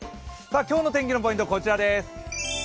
今日の天気のポイントはこちらです。